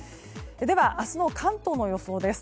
明日の関東の予想です。